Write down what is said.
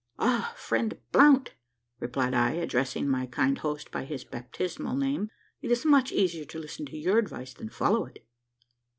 "Ah! friend Blount," replied I, addressing my kind host by his baptismal name, "it is much easier to listen to your advice than follow it."